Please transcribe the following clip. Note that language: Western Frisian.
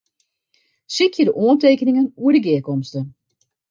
Sykje de oantekeningen oer de gearkomste.